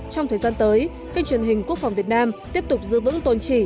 trong thời gian tới kênh truyền hình quốc phòng việt nam tiếp tục giữ vững tôn trị